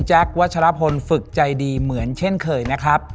วัชลพลฝึกใจดีเหมือนเช่นเคยนะครับ